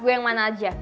yang mana aja